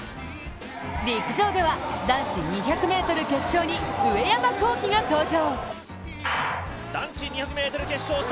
陸上では、男子２００ｍ決勝に上山紘輝が登場。